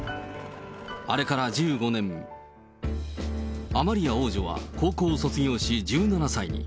あれから１５年、アマリア王女は高校を卒業し、１７歳に。